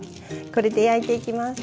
これで焼いていきます。